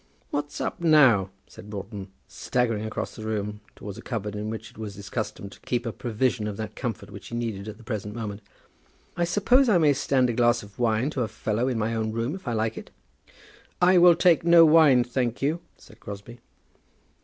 "What's up now?" said Broughton, staggering across the room towards a cupboard, in which it was his custom to keep a provision of that comfort which he needed at the present moment. "I suppose I may stand a glass of wine to a fellow in my own room, if I like it." "I will take no wine, thank you," said Crosbie.